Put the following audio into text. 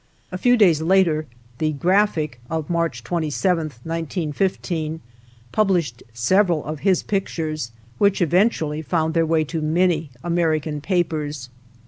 A few days later the Graphic of March 27, 1915, published several of his pictures, which eventually found their way to many American papers.